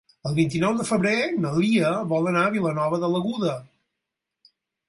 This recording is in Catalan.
El vint-i-nou de febrer na Lia vol anar a Vilanova de l'Aguda.